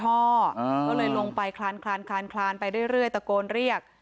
ก็เลยลงไปคลานคลานคลานคลานไปเรื่อยตะโกนเรียก